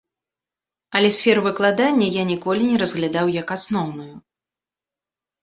Але сферу выкладання я ніколі не разглядаў як асноўную.